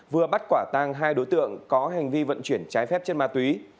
vừa bắt quả tăng hai đối tượng có hành vi vận chuyển trái phép trên ma túy